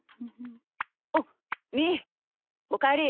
おっみーおかえり！